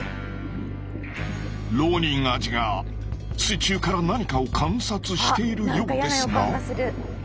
ロウニンアジが水中から何かを観察しているようですが。